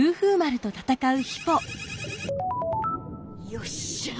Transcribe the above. よっしゃあ